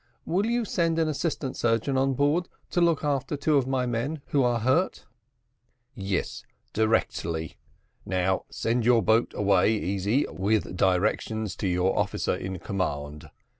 Will you send an assistant surgeon on board to look after two of my men who are hurt?" "Yes, directly; now send your boat away, Easy, with directions to your officer in command.